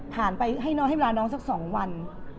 ผ่านไปให้เวลาน้องสักสองวัน